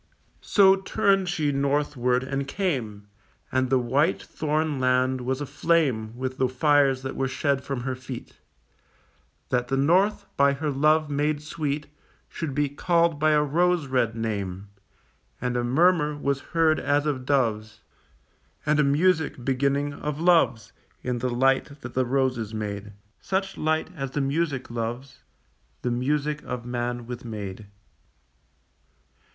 So turned she northward and came, And the white thorn land was aflame With the fires that were shed from her feet, That the north, by her love made sweet, Should be called by a rose red name; And a murmur was heard as of doves, And a music beginning of loves In the light that the roses made, Such light as the music loves, The music of man with maid.